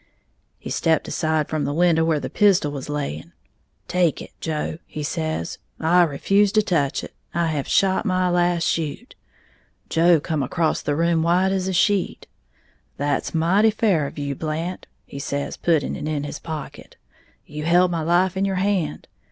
He stepped aside from the window, where the pistol was laying. 'Take it, Joe,' he says, 'I refuse to touch it; I have shot my last shoot!' Joe come acrost the room white as a sheet. 'That's mighty fair of you, Blant,' he says, putting it in his pocket; 'you held my life in your hand.'